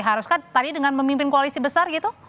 haruskah tadi dengan memimpin koalisi besar gitu